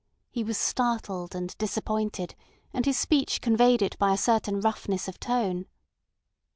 He was startled and disappointed, and his speech conveyed it by a certain roughness of tone.